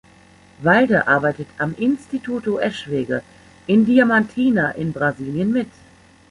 Walde arbeitet am Instituto Eschwege in Diamantina in Brasilien mit.